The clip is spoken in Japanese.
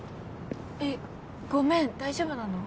えっごめん大丈夫なの？